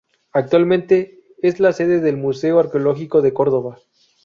Actualmente es la sede del Museo Arqueológico de Córdoba.